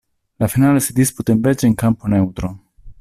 La finale si disputa invece in campo neutro.